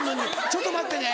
ちょっと待ってね